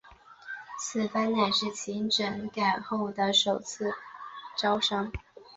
此番乃是其整改后的首次招商。